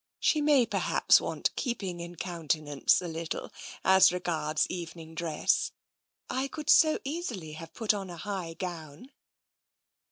" She may perhaps want keeping in counte nance a little, as regards evening dress. I could so easily have put on a high gown."